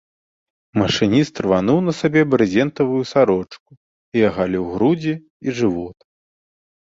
Машыніст рвануў на сабе брызентавую сарочку і агаліў грудзі і жывот.